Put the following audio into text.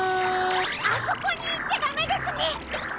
あそこにいっちゃダメですね！